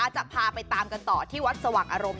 จะพาไปตามกันต่อที่วัดสว่างอารมณ์